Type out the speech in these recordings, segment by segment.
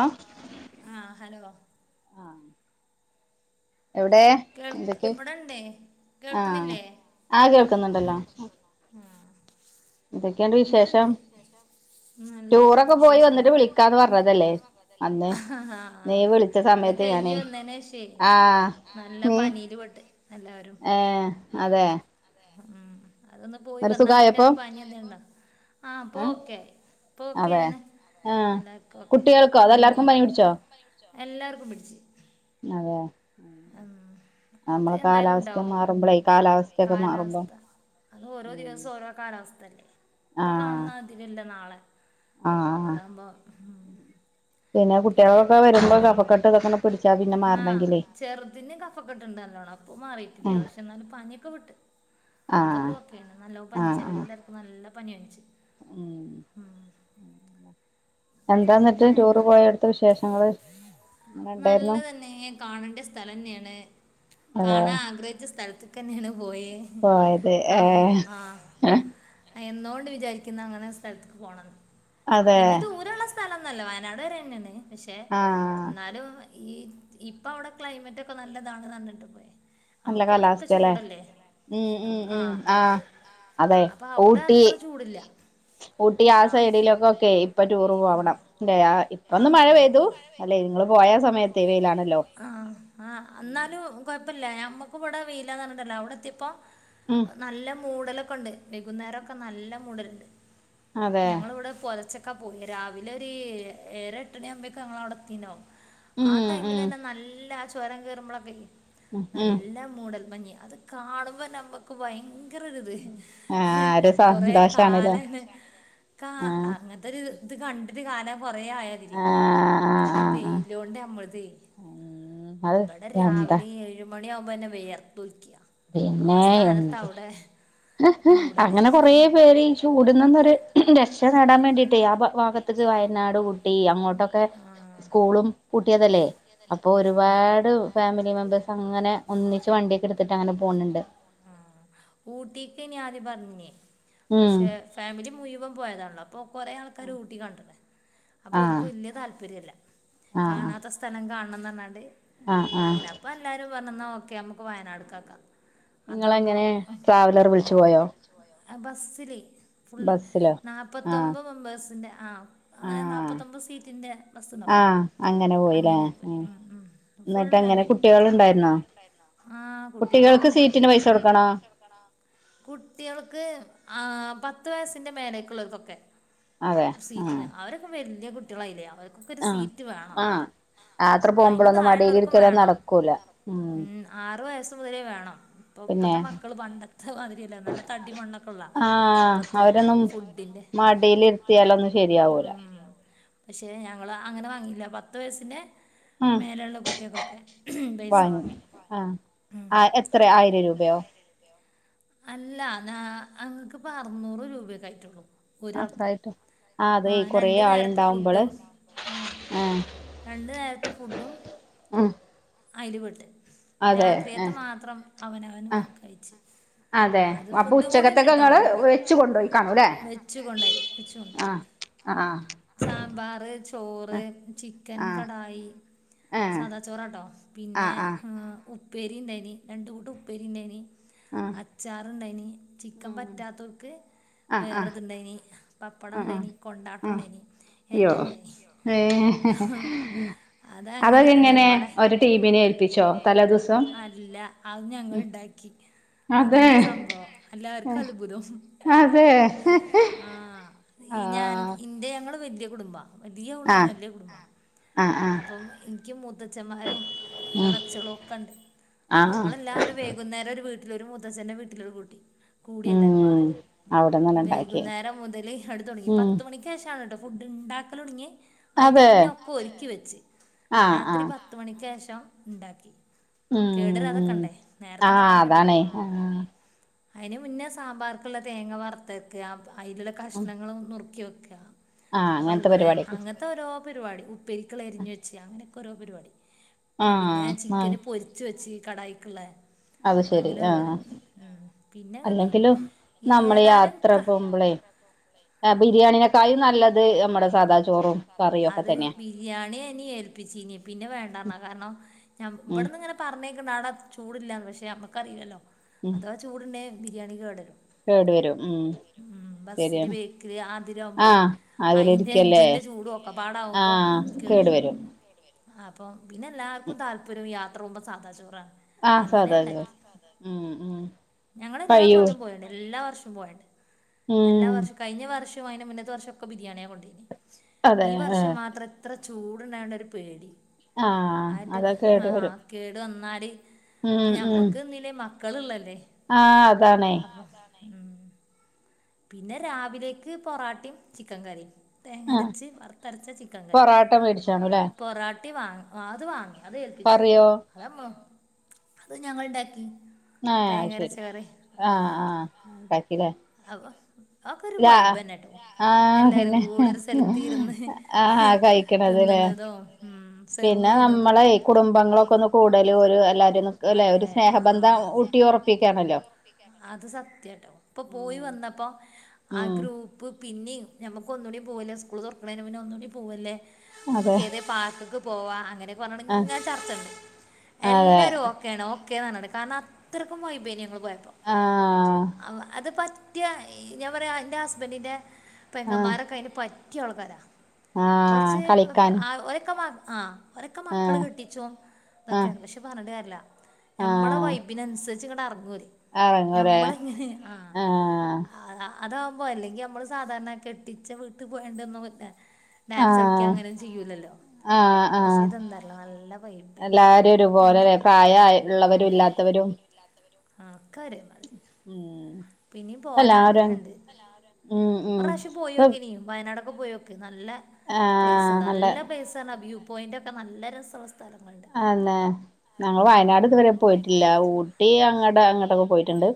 ആ ആഹ ഹലോ എവിടെ കേൾക്ക് ഇതൊക്കെ ഇവിടെണ്ടേ ആഹ കേൾക്കുന്നില്ലേ ആ കേൾക്കുന്നുണ്ടല്ലോ ഇതൊക്കെയണ്ട് ഇവിടെണ്ട് വിശേഷം നല്ല ടൂറൊക്കെ പോയി വിശേഷന്നെ വന്നിട്ട് വിളിക്കാന്ന് പറഞ്ഞതല്ലേ അന്ന് ആഹ് നീ വിളിച്ച അത് സമയത്ത് കഴിഞ്ഞ് ഞാനേ വന്നേനേഷേ ആഹ- നല്ല നീ പനിയില് പെട്ട് എല്ലാവരും ഏ അതെ ഉം അതൊന്ന് പോയി ഒരു വന്നാ പിന്നെ സുഖായപ്പോ ഒരു പനി എന്തെങ്കിലും ആഹഇപ്പൊ ഏ ഓക്കെ ഇ ഇപ്പൊ അതെ ഓക്കെയിണ് ആഹ് അല്ലാർക്കും ഓക്കേ ആയിന് കുട്ടികൾക്കോ അതെല്ലാർക്കും പനി പിടിച്ചോ എല്ലാവർക്കും പിടിച്ചു അതെ ഉ അത് നമ്മളെ എന്തായാലും കാലാവസ്ഥ ഉണ്ടാവും മാറുമ്പളേ കാലാവസ്ഥയൊക്കെ മാറുമ്പോ കാലാവസ്ഥ അത് ഓരോ ദിവസം ഓരോ കാലാവസ്ഥ അല്ലേ ഇപ്പൊ കാണുന്ന ആഹ് മാതിരില്ല നാളെ ആഹ് അതാകുമ്പോ ഉം പിന്നെ കുട്ടികളൊക്കെ വരുമ്പോ കഫക്കെട്ട് ഇതൊക്കെ പിടിച്ചാ പിന്നെ ആഹ മാറണെങ്കിലേ ചെറുതിന് കഫക്കെട്ട്ണ്ട് നല്ലോണം അപ്പൊ മാറിയിട്ടില്ല ആഹ് പക്ഷെ എന്നാല പനിയൊക്കെ വിട്ട് അതൊക്കെ ആഹ് ഒക്കെയാണ് നല്ല ആഹ് പനിച്ച- ആഹ് എല്ലാവർക്കും നല്ല പനിയാനിച്ചു ഉം [inaudible] ഉം [unintelligible] എന്താന്നിട്ട് പിന്നെ ടൂറ് പോയടുത്ത വിശേഷങ്ങള് എങ്ങനെ ഉണ്ടായിരുന്നു നല്ലതന്നെ കാണേണ്ട സ്ഥലം തന്നെയാണ് അതെ കാണാൻ ആഗ്രഹിച്ച സ്ഥലത്ത്- [unintelligible] പോയെ പോയത് ഏഹ് എന്നോണ്ട് വിചാരിക്കുന്ന അങ്ങനെ സ്ഥലത്തേക്ക് പോകണം ന്ന് അതെ വല്ല്യയ ദൂരുള്ള സ്ഥലംന്നല്ലേ വയനാട് വരെ ന്നെയണ്ട് ക്ഷെ ആഹ് ന്നാലും ഈ ഇപ്പൊ അവിടെ ക്ലൈമറ്റ് ഒക്കെ നല്ലതാണ് തന്നിട്ട് പോയ നല്ല കാലാവസ്ഥ ല്ലേ ഉ ഉ നമുക്ക് ഉ ആ അതെ അതെ അപ്പം അവിടെ ഊട്ടി അത്ര ചൂടില്ല ഊട്ടി ആ സൈഡിലൊക്കെക്കെ ഇപ്പൊ ടൂർ പോ ആ പോവണംല്ല ആ ഇപ്പൊന്ന് മഴ അതെ പെയ്തു ആ അല്ലെ നിങ്ങള് പോയ സമയത്ത് വയിലാണല്ലോ പ്പല്ല ഞമ്മുക്ക ഇവടെ വെയില്ല നന്രണത്തരല്ല അവിടെ എത്തിപ്പം ഉം നല്ല മൂടല ക്കോണ്ട് വെകുന്നേരം ക്കെ നല്ല മൂടൽ ഉണ്ട് അതെ ഞങ്ങള ഇവിടെ പൊലച്ചക്ക ക്കെ പോയി രാവിലെ ഒരു ഏറെ എട്ടണി ആവുമ്പോക്കെ ഞങ്ങൾ അവിടെത്തിണ്ടാവും ഉം ആ ഉം ടൈമില്ല്ല നല്ല ചൊരം കെറുമ്പോളോക്കേ ഉം ഉം നല്ല മൂടൽമഞ്ഞ് അത് കാണുമ്പോന്നെ മ്മുക്ക് ഭയൻ ങ്കര ഒരു ഇത് ആഹ് ഒരു കൊറേ സന്തോഷാണല്ലേ കാലന കാ ആഹ് അങ്ങനത്തെ ഒരു ഇത് കണ്ടിട്ട് കാലം കുറേ ആയതിരി ആഹ് കാരണം ആഹ് ആഹ് വെയിലോണ്ട് നമ്മൾതേ ആഹ് അത് ഇവിടെ എന്താ രാവിലെ ഏഴ് മണി ണി ആവുമ്പോന്നെ വെയർത്ത് ഒലിക്ക പിന്നെ എന്ത് മൂടല് അങ്ങനെ കൊറേ പേര് ഈ ചൂടുന്നന്നരു രക്ഷ നേടാൻ വേണ്ടി ട്ട ആ ഭാഗത്തക്ക് വയനാട് ഊട്ടി അങ്ങോട്ടൊക്കെ സ്കൂളും പൂട്ടിയതല്ലേ അപ്പൊ ഉം, ഉം. ഒരുപാട് ഫാമിലി മെമ്പേഴ്സ് അങ്ങനെ ഒന്നിച്ച് വണ്ടിയക്കെ എടുത്തി അങ്ങനെ പോണണ്ട് ഊട്ടിക്കെനി ആദ്യം പറഞ്ഞിനെ ഉം പക്ഷെ ഫാമിലി മുയ്വൻ പോയതാണല്ലോ അപ്പൊ കൊറെ ആൾക്കാര് ഊട്ടി കണ്ടണ് അപ്പൊ ആഹ് ഓല്ക്ക് വല്യ താല്പര്യല്ല ആഹ് കാണാത്ത സ്ഥലം കാണ ണംന്ന് പറഞ്ഞാണ്ട് ആഹ് ആഹ് അങ്ങനെ അപ്പൊ എല്ലാരും പറ നോക്കെ നമുക്ക് വയനാടുക്കാക്കാം നിങ്ങള എങ്ങനെ ട്രാവലർ വിളിച്ചു പോയോ ആ ബസ്സില് ഫുള് ബസ്സിലോ ആഹ് നാല്പ്പത്തൊമ്പത് മെമ്പേഴ്സിന്റെ ആ അങ്ങനെ ആഹ് നാപ്പത്തൊമ്പത്ത് സീറ്റിന്റെ ബസ്ണ്ടാവലോ ആഹ് പോയില്ലേ അങ്ങനെ പോയി ഉം ഫുൾ എന്നിട്ട് എങ്ങനെ ഫാമിലി കുട്ടികൾ ഉണ്ടായിരുന്നോ ആ കുട്ടികൾക്ക് കുട്ടികളൊക്കേണ്ടായിന് സീറ്റിന് പൈസ കൊടുക്കണോ കുട്ടികൾക്ക് ആ പത്ത് വയസിന്റെ മേലക്കുള്ളവർക്കൊക്കെ അതെ ആ സീറ്റിന് അവരൊക്കെ വ എന്റെ കുട്ടികളായിരുന്നോ അവർക്ക് ഒരു ആ സീറ്റ് വേണം ആ യാത്ര ആയിൻ പോകുമ്പോഴൊന്നും താഴെയുള്ളവർക്കും മടിയിലിരിക്കലൊന്നും വേണം നടക്കൂല ഉം ആറു വയസ്സ് മുതലേ വേണം പിന്നെ ഈ ക്കൾ പണ്ടത്തെ മാതിരിയല്ല നല്ല തടിമണ്ണൊക്കെള്ള ആ ഇപ്പത്തെ അവരൊന്നും ഫുഡഡിന്റെ മടിയിലിരുത്തിയാലൊന്നും ശരിയാവൂല ഉം പക്ഷെ ഞങ്ങള് അങ്ങനെ വാങ്ങില്ല പത്ത് വയസിന്റെ ഹ പൈസ വാങ്ങു വാങ്ങി ആഹ് ഉം. ആ എത്ര ആയിരം രൂപയോ അല്ല ന്ന അങ്ങക്ക്പ്പ അറുന്നൂറ് രൂപയക്ക ആയിട്ടുള്ളു ഒരാൾക്ക് അത്രായിട്ട് ആ അതെ ആഹ് കൊറേ രണ്ടു നേരത്തെ ആളുണ്ടാവുമ്പോള് ഫുഡും ആഹ് ആ രണ്ടു നേരത്തെ ഫുഡും ഉം അയിൽപെട്ട് അതെ ആ രാത്രിയത്ത് മാത്രം അവനവന് ആ കഴിച്ചു അതെ അപ്പൊ ഫുഡ് കൂടി ഉണ്ട് ഉച്ചക്കത്തൊക്കെ ട്ടോ നിങ്ങള് വെച്ച് കൊണ്ടോയി കാണൂല്ലേ വെച്ചു കൊണ്ടോയി ആ ആ സാമ്പാറ് തോറ് ആഹ് ചിക്കൻ ആഹ് കടായി ഏഹ് സാദാ ചോറാട്ടോ പിന്നെ ആഹ് ആഹ് ആ ഉപ്പേരി ണ്ടായിരുന്നീരണ്ടുകൂട്ട ഉപ്പേരി ണ്ടായിരുന്നീ ആഹ് അച്ചാറുണ്ടാനി ചിക്കൻ ഉം പറ്റാത്തോർക്ക് ആഹ് ആഹ് വേറെതുണ്ടായിനി പപ്പടം ആഹ് ആഹ് ഉണ്ടായിനി കൊണ്ടാട്ടം ആഹ് ഉണ്ടായിനി യ്യോ എല്ലാം ഉണ്ടായിനി ഏഹ് അത അങ്ങനെ അതൊക്കെ എങ്ങനെ അല്ലഅത് ഒരു ടീമിനെ ഏൽപ്പിച്ചോ തലേ ദിവസം ഞങ്ങ ഉം ഇണ്ടാക്കി അതെ അതന്നെയ സംഭവം എല്ലാർക്കും അത്ഭുതം അതെ ആ ഈ ഞാൻ ആഹ് ഇന്റെ ങ്ങള് വി ൻ്റെകുടുംബ വലിയ കുടുംബാണ് ആഹ് വലിയ കുടുംബം ആഹ് ആഹ് അപ്പം എനിക്ക് മൂത്തച്ഛന്മാരും ഉം ഇളച്ചളും ഒക്കെ ണ്ട് ആഹ് ഞങ്ങളെല്ലാരും വൈകുന്നേരം ഒരു വീട്ട് [unintelligible] അഛന്റെ വീട്ടിലാ കൂട്ട് കൂടി ഉം [unintelligible] അവിടന്നന്നെ ഇണ്ടാക്കിയേ വൈകുന്നേരം മുതൽ അവിടെ തുടങ്ങി ഉം പത്ത് മണിക്ക് ശേഷമാണ് കേട്ടോ ഫുഡ് ഉണ്ടാക്കൽ ഉട ആയിൻ്റെ അതെ മുന്നേ ഒക്കെ ഒരുക്കി വെച്ച് ആഹ് രാത്രി ആഹ് പത്ത്മണിക്ക്ശേഷം [unintelligible] ഉണ്ടാക്കി ഉം കേടാരാതെക്കണ്ടേ നേരത്തെണ്ടാക്കാനും പറ്റൂലല്ലോ ആ അയിന് മുന്നേ സാമ്പാർക്ക്ള്ള തേങ്ങ വറത്തെക്കാ അയ്ലുള്ള കഷ്ണങ്ങളും നുറുക്കി വെ [unintelligible] ആ അങ്ങനത്തെ പരിപാടിയെ പരിവാടി ഉപ്പരിക്ക്ളളത് അരിഞ്ഞ് വെച്ച അങ്ങനൊക്കെ ഓരോ പരിവാടി. പിന്നെ ആഹ് ആഹ് ചിക്കനും പൊരിച്ച് വെച്ച്. കടായിക്ക്ള്ളെ അത് ശരി ആ ഉം പിന്നെങ്ങട്ട് ഏതാലും യാത്ര ക പോകുമ്പളേ ആ ആഹ് ബിരിയാണിനെക്കായും നല്ലത് നമ്മടെ സാദാ ചോറും കറിയും ഒക്കെ അത് തന്നെയാ ബിരിയാണിയേനി ഏൽപ്പിച്ചീനെ പിന്നെ വേണ്ടാറ്ഞ്ഞാ കാരണം ഞ ഉം ഇവെട്ന്ന്ങ്ങനെ പറഞ്ഞേക്ക്ണ്ട് ആടെ ചൂട്ല്ലാന്ന് പക്ഷെ അമ്മക്കറിയില്ലല്ലോ ഉം അതവാ ചൂട്ണ്ടേ ബിരിയാണി കേടരും കേട് വരും ഉം ഉം ബസ്സില് ശരിയാണ് ബേക്കില് ആതില് ആവുമ്പളേ ആഹ് അയിന്റെ അതിലിരിക്കല്ലേ എഞ്ചിന്റെ ചൂടും ഒക്കപാടാവുമ്പോ ആഹ് കേട് കേടരും വരും അപ്പം പിന്നെ എല്ലാർക്കും താൽപര്യവും യാ ത്ര പോവുമ്പം സാധാചോറാ ആഹ് സാധാ ചോറ് ഉം ഉം ഞങ്ങള് എല്ലാ കഴിയോ കൊല്ലും പോവേണ്ട് എല്ലാ വർഷു ഉം പോവേണ്ട് എല്ലാ ഉം വർഷും കഴിഞ്ഞ വർഷ [unintelligible] അയിന്റെ മുന്നത്തെ വർഷൊക്കെ ബിരിയാണിയാ കൊണ്ടയിനെ അതെ ഈ വർഷം ആഹ് മാത്രം ഇത്ര ചൂട്ണ്ടായോണ്ട് ഒരു പേടി ആഹ് ആറ്റൊ അതൊക്കെ കേട് ആ വരും കേട് വന്നാല് ഞമ്മക്ക് തിന്നില്ലേം മ മക്കളുള്ളല്ലേ ആ അതാണേ ഉം പിന്നെ രാവിലേക്ക് പൊറാട്ടയും ചിക്കൻ കറിയും ആഹ് തേങ്ങരച്ച് വറുത്തരച്ച ചിക്കൻ കറി പൊറാട്ട മേടിച്ചാണുല്ലേ പൊറാട്ട വാങ്ങ അത് വാങ്ങും അത് ഏൽപ്പിച്ചു കറിയോ അത് ഞങ്ങൾ ഇണ്ടാക്കി ആ അയ്ശരി ആ ആ ണ്ടാക്കീലേ അ ഇ ആ പിന്നെ കൂടെ ഒരു സ്ഥലത്ത് ഇരുന്ന് ആ കഴിക്ക്ണത് ലേ തിന്നുന്നതും സെർവ് പിന്നെ ചെയ്യുന്നതും നമ്മളെ കുടുംബങ്ങളൊക്കെ ഒന്ന് കൂടലും ഒരു എല്ലാരും ഒന്ന് അല്ലെ അതെ ഒരു സ്നേഹബന്ധ ആ ഊട്ടി ഉറപ്പിക്കാണല്ലോ അത് സത്യാട്ടോ ഇപ്പൊ പോയി ഉം വന്നപ്പോ ആ ഉം ഗ്രൂപ്പ് പിന്നേം ഞമക്കൊന്നൂടി പോവല്ലേ സ്കൂൾ തുറക്കേണന മുന്നെ ഒന്നൂടി പോവല്ലേ അതെ നമ്മക്ക് ഏതേലും പാർക്ക്ക്ക് പോവാ അങ്ങനെ ആഹ് പറഞ്ഞാണ്ട്ങ്ങനെ ചർച്ചടണം അതെ എല്ലാരും ഓക്കെയാണ് ഓ കെയാണ് കാരണം അത്രയ്ക്കും വൈബേന്നിങ്ങള് ആഹ് അത് പ ഞാൻ പറയാ ന്റെ ഹസ്ബൻഡിന്റെ ആഹ് പെങ്ങമാരൊക്കെ അയ്ന് പ റ്റിയാൾക്കാരാ ആഹ് കൊറച്ച് കളിക്കാൻ അ ഓരെക്ക മ ആ ഓരെക്കെ മക്കള് ആഹ് കെട്ടിച്ചോം ആഹ് തൊക്കെയാണ് പക്ഷെ പറഞ്ഞിട്ട് കര്യല്ല ഞമ്മളെ വൈബിനനുസ ച്ച്ങ്ങട്ടെറെങ്ങോല് അറങ്ങുലേ ആ അതാകുമ്പോ അല്ലെങ്കി മ്മള് സാധാരണ കെട്ടിച്ച വീട്ടീ പോയാണ്ടെന്ന് ഡാൻസിളിക്കാ ആഹ് അങ്ങനൊന്നും ചെയ്യൂലല്ലോ ആഹ് ക്ഷേ ആഹ് ഇതെന്താറീല നല്ല വൈബേനി എല്ലാരും പിന്നിം ഒരുപോലെല്ലേ പ്രായ ഉള്ളവരും ഇല്ലാത്തവരും ഒക്കെരെ മാതിരി ഉം പിന്നിം എല്ലാരും പോനാഗ്രഹണ്ട് ഉം ഉം ഒറാശ്യം ഇപ്പൊ പോയോക്കീനി ബ നടക്കും പോയോക്ക് നല്ല പ്ലേയ്സ്ണ്ട് ആഹ് അല്ല നല്ല പ്ലേയ്സാണാ വ്യൂ പോയിന്റൊക്കെ നല്ല രസ വസ് ആന്നെ ഞങ്ങള് ഉം വയനാട് ഇതുവരെ പോയിട്ടില്ല ഊട്ടി അങ്ങ ഇവിഅങ്ങോട്ടൊക്കെ പോയിട്ടുണ്ട്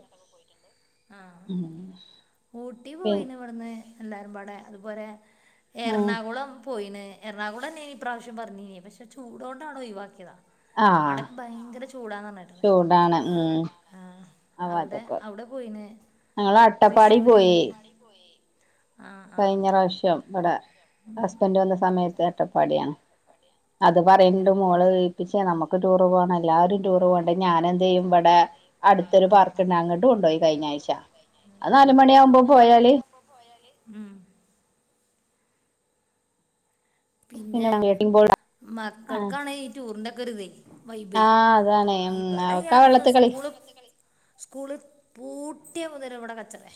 ആ ഉം ഊട്ടി പി പോയിണ് വട്ന്ന് എല്ലാരും വാ ടെ അത്പോരെ ഉം എറണാകുളം പോയീണ് എറണാകുളെന്നെനി ഇപ്രാവശ്യം പറഞ്ഞീന്യേ പക്ഷെ ചൂടൊണ്ടാണ്‌ ഒഴിവാക്കിയതാ ആഹ് അടെക്കെ ഭയങ്കര ചൂടാന്ന് പറഞ്ഞേട്ട്ണ് ചൂടാണ് ഉം ആ അപ്പൊ അവ്ടെ അതൊക്കെ അവ്ടെ പോയിണ് ഞങ്ങള് അട്ടപ്പാടി തൃശ്ശൂര് പോയി ആ ആ കഴിഞ്ഞ പ്രാവശ്യം ഇവിടെ ഹസ്ബന്റ് വന്ന സമയത്ത് അട്ടപ്പാടിയാണ് അത് പറയണ്ട് അങ്ങനെ മോള് പോയില്ലേ കേപ്പിച്ചെയാ നമ്മക്ക് ടൂറ് പോണ എല്ലാരും ടൂർ പോണ്ടേ ഞാനെന്ത് ചെയ്യും ഇവിടെ ആ അടുത്തൊരു പാർക്കുണ്ട് അങ്ങോട്ട് കൊണ്ടുപോയി കഴിഞ്ഞ ആഴ്ച അത് ആ നാലുമണി ആകുമ്പോ പോയാല് ഉം പിന്നെ ആ മക്കൾക്കാണ് ഈ ടൂറിന്റെ പ് [unintelligible] ആ അതാണ് ഉം അവക്കാ വെള്ളത്ത് കളി സ്കൂളിൽ പൂട്ടിയ മുതല് ഇവിടെ കച്ചറെയാ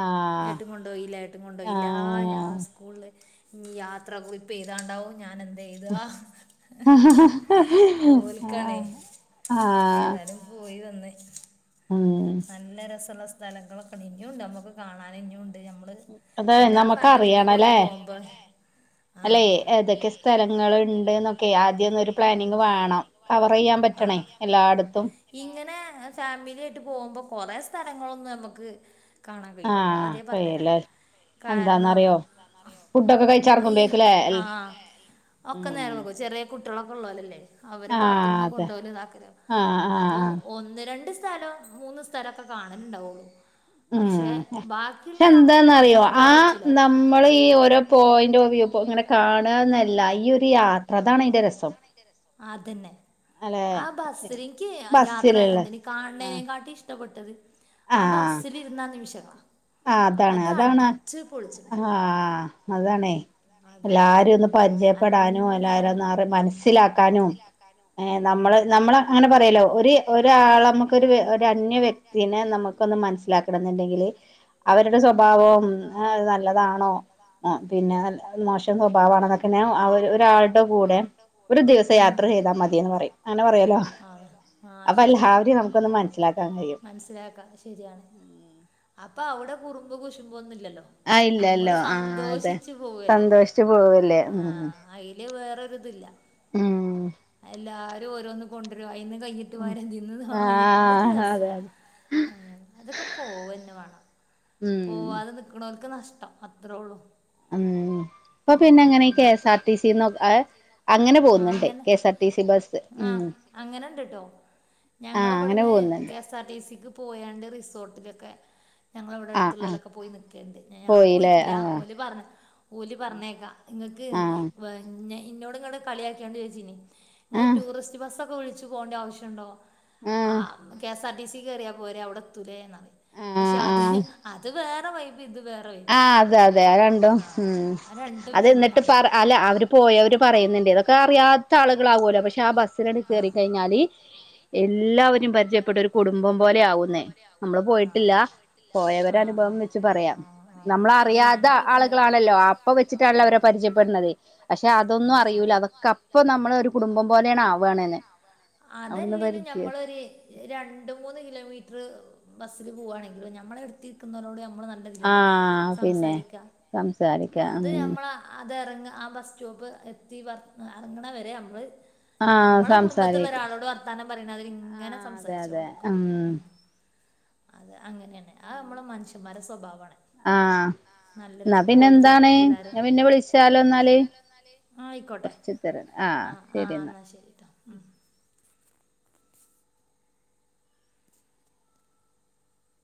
ആ ഏട്ടും കൊണ്ടുപോയില്ല ഏട്ടും കൊണ്ടുപോയില്ല ആ ഞാൻ സ്കൂളില് ഉം യാത്ര കുളിക് പ്പെയ്താണ്ടാവും ഞാനെന്ത് എഴുതുവാ ആ ഓൽക്കാണേ ആ ഏതാലും പോയി വന്ന് ഒന്ന് ഉം നല്ല രസൊള്ള സ് സ്ഥലങ്ങളൊക്കെ ഇനിംണ്ട് നമുക്ക് കാണാൻ ഇനിംണ്ട് അത് കൊണ്ട് നമുക്കറിയണല്ലേ പോകുമ്പോൾ ആ അല്ലേ ഏതൊക്കെ സ്ഥലങ്ങളുണ്ടെന്നൊക്കെ ആദ്യം ഒരു പ്ലാനിങ് വേണം കവറ് ചെയ്യാൻ പറ്റണേ ആഹ് ആഹ് എല്ലാടത്തും പോവുമ്പോ കൊറേ സ്ഥലങ്ങളൊന്നും നമ്മുക്ക് കാണാൻ ആ കഴീല്ലാട്ടോ ആദ്യേ പറഞ്ഞു കയ്യല്ലേ തരാം കാരണം എന്താന്നറിയോ ഫുഡൊക്കെ ഈ കഴിച്ചിറങ്ങുമ്പേക്കല്ലേ ആ ഒക്കെ നേരെ ഉം നോക്കും ചെറിയ കുട്ടികള കൊള്ളാലോ ഇല്ലേ അവരെ ആ ബാത്റൂമ് അതെ കൊണ്ടുപോവലും ഇതാക്കലും ആ ആ അപ്പൊ ആ ഒന്ന് രണ്ട് സ് [unintelligible] മൂന്ന് സ്ഥലൊക്കെ കാണലുണ്ടാവുള്ളു ഉം പക്ഷെ പക്ഷെ ബാക്കിയുള്ള സമയങ്ങളും എന്താന്നറിയോ നമ്മ ആ ബോറടിച്ചൂല നമ്മള് ഈ ഓരോ പോയിന്റ് നോക്കിയിപ്പൊ ഇങ്ങനെ കാണാന്നല്ല ഈ ഈയൊരു യാത്ര അതാണ് അതിന്റെ രസം അതന്നെ അല്ലെ ആ ബസ്സിലെനിക്ക് യാത്ര ബസ്സിലുള്ള എന്തെയിനി ആ കാണ്നെക്കാട്ടി ഇഷ്ടപ്പെട്ടത് ആ ബസ്സിലിരുന്ന ആ നിമിഷാ ആ അതാണ് അതാണ് പൊളിച്ച്ണ് ആ അതാണെ അതാണ് എല്ലാരേം ഒന്ന് എല്ലാരും പരിചയപ്പെടാനും എല്ലാരേം എല്ലാരും ഒന്നറിഞ്ഞ് മനസ്സിലാക്കാനും ഏ ഉം. നമ്മള് നമ്മള് അങ്ങനെ പറയുവല്ലോ ഒരീ ഒരാളെ നമ്മുക്കൊരു ഒരു അന്യ വ്യക്തീനെ നമുക്കൊന്ന് മനസ്സിലാക്കണം എന്നുണ്ടെങ്കില് അവരുടെ സ്വഭാവം ഏ നല്ലതാണോ ആ പിന്നെ മോശം സ്വഭാവാണോന്നൊക്കെ ഞാ ഒരാളുടെ കൂടെ ഒരു ദിവസം ഉം. യാത്ര ചെയ്താ മതീന്ന് പറയും അങ്ങനെ പറയുവല്ലോ അതെ പറയല്ലോ. ആ അപ്പൊ ശരിയാണ് എല്ലാവരും നമുക്കൊന്ന് മനസ്സിലാക്കാൻ കഴിയും മനസ്സിലാക്കാം ശരിയാണ് അപ്പൊ അവിടെ കുറുമ്പ് കുശുമ്പൊന്നും ഇൽ ആ ഇല്ലാല്ലോ ആ അതെ പോവുല്ലേ സന്തോഷിച്ചു പോവല്ലേ ആ ഉം അയിലെ വേ തില്ല ഉം [unintelligible] അല്ല ഓരോന്ന് കൊണ്ടരുവാ അയീന്ന് കയ്യിട്ട് വാരന്ന് വാങ്ങ [unintelligible] അതൊരു ആഹ് അതെ രസാണ് അതെ അതൊക്കെ പോവ്വാ തന്നെ വേണം ഉം പോവാതെ നിക്കൊണോർക്ക് നഷ് ഇഷ്ടം അത്രോളളൂ ഉം ഇപ്പൊ പിന്നെ അങ്ങനെ ഈ K S R T Sinnoh അഹ് അങ്ങനെ പോകുന്നുണ്ട് K S R T C bus ആ ഉം അങ്ങനെണ്ട് കേട്ടോ ആഹ് അങ്ങനെ ഞങ്ങളിവിടുന്ന് പോകുന്നുണ്ട് കെഎസ് ആർടി സിക്ക് പോയാണ്ട് റിസോർട്ടിലൊക്കെ ഞങ്ങളവിടെ ആഹ് ആഹ് അടുത്തുള്ളവലൊക്കെ പോയി നിൽക്കയുണ്ട് ഞാൻ പോയില്ലേ പോയിട്ടില്ല ആഹ് ഓല് പറഞ്ഞതാ ഓലി പറഞ്ഞേക്കാ നിങ്ങക്ക് ആഹ് വ ഞ ഇന്നോട് ഇങ്ങട് കളിയാക്കിയാണ്ട് ചോദിച്ചീനേ നിങ്ങ ആഹ് ടൂറിസ്റ്റ് ബസ് ക്കെ വിളിച്ചു പോണ്ടാവശ്യൊണ്ടോ ആ ആഹ് K S R T C ഇ കറ്യാ പോരേ അവ്ടെത്തുലേ ആഹ് പക്ഷത് ആഹ് അത് വേ ആഹ് അതെ അതെ അ ണ്ടോ ഹ് അതെ രണ്ടും രണ്ടും അതിന്നിട്ട് രണ്ടാണ് പർ അല്ല അവര് പോയവര് പറയിന്നിണ്ടേയ് ഇതൊക്ക അറിയാത്ത ആള്കളാവോല്ലോ പക്ഷെ ആ ബസ്സിലണ് കേറി കയ്ഞ്ഞാല് എല്ലാവ പരിചയപ്പെട്ട് ഒരു കുടുംബം പോലെ ആവുന്ന് നമ്മള് പോയിട്ടില്ല പോയവരനുഭവം വെച്ച് പറയാ പോയവരെ നമ്മളറിയാത അനുഭവം വെച്ച് പറയാ നമ്മള് ആള്കളാണല്ലോ ആപ്പ വെച്ചിട്ടാണല്ലോ അവരെ പരിചയപ്പെട്ണത് പക്ഷെ പക്ഷെ അതൊന്നുവറിയൂല അതൊക്കപ്പൊ നമ്മള് ഒരു കുടുംബം പോലെയണ് ആവാണ്ന്ന് എന്നിട്ട്. അവ്ടുന്ന് അതല്ലേലും പരിചയ ഞമ്മളൊരു രണ്ട് മൂന്ന് കിലോമീറ്റർ ബസ്സില് പൂവാണെങ്കിലും ഞമ്മളെട്ത്തിരിക്കുന്നോലോട് ഞമ്മ നമ്മള് നല്ലതിലല്ലേ ആഹ് പിന്നെ സംസാരിക്കാം സംസാരിക്കാഅത് ഉം ഞമ്മള തെറങ്ങ ആ ബസ് സ്റ്റോപ്പ് എത്തി വർ എർങ്ങ്ണ വരെ നമ്മ്ള് ആഹ് നമ്മളെ കുടുംബത്തിള്ള ഒരാളോട് വർത്താനം പറയ്ണാതിരി ഇങ്ങന ആ അതെ അതെ ഉം അത് അങ്ങനേണ് അ നമ്മള് മനുഷ്യന്മാരെ സ്വഭാവാണ് ആഹ് ന്നാ ക്വാളിറ്റി കേട്ടോ പിന്നന്താണ് എല്ലാവരും ന്ന പിന്നെ വിളിച്ചാലോ ന്നാല് ആ ആയിക്കോട്ടെ ആഹ് ആ ആ ശരി ഇന്നാ എന്നാൽ ശരി കേട്ടോ